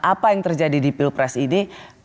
apa yang terjadi di pilpres ini